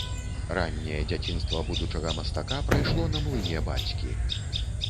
Ранняе дзяцінства будучага мастака прайшло на млыне бацькі.